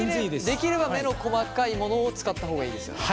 できれば目の細かいものを使った方がいいですよね？